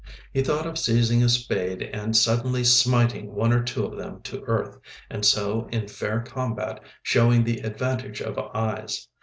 He thought of seizing a spade and suddenly smiting one or two of them to earth, and so in fair combat showing the advantage of eyes.